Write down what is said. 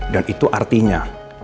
dan itu artinya